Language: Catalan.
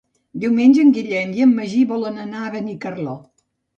Diumenge en Guillem i en Magí volen anar a Benicarló.